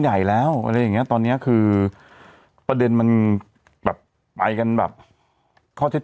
ใหญ่แล้วอะไรอย่างเงี้ตอนเนี้ยคือประเด็นมันแบบไปกันแบบข้อเท็จจริง